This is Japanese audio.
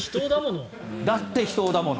だって秘湯だもの。